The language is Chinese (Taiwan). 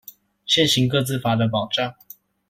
現行個資法的保障